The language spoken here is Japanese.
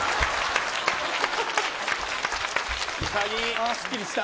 ああ、すっきりした。